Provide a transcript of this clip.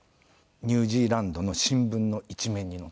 ニュージーランドの新聞の１面に載ったんです。